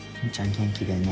元気でね。